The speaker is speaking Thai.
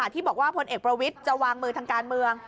ที่บอกว่าพลเอกประวิทย์จะวางมือทางการเมือง